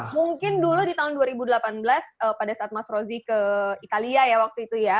mungkin dulu di tahun dua ribu delapan belas pada saat mas rozi ke italia ya waktu itu ya